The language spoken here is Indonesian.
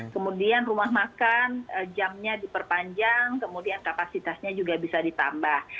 kemudian rumah makan jamnya diperpanjang kemudian kapasitasnya juga bisa ditambah